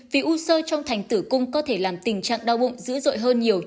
vì u sơ trong thành tử cung có thể làm tình trạng đau bụng dữ dội hơn nhiều